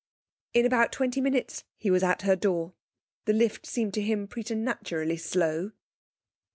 In about twenty minutes he was at her door. The lift seemed to him preternaturally slow.